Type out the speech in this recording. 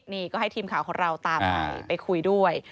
นี่ก็ให้ทีมข่าวของเราตามไปไปคุยด้วย